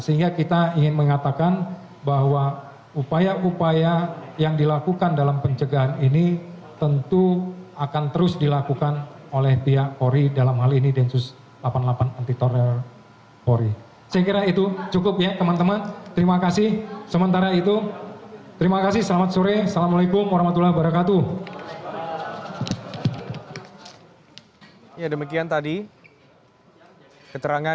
sehingga kita ingin mengatakan bahwa upaya upaya yang dilakukan dalam pencegahan ini tentu akan terus dilakukan oleh bia